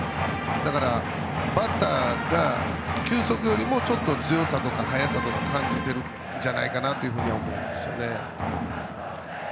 だから、バッターが球速よりもちょっと強さとか速さとか感じてると思いますよね。